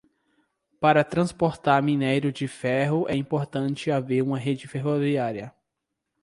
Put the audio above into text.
Para transportar mínério de ferro é importante haver uma rede ferroviária